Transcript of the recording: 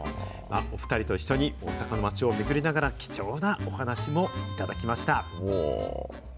お２人と一緒に大阪の街を巡りながら、貴重なお話も頂きました。